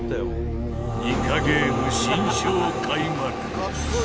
ニカゲーム新章開幕。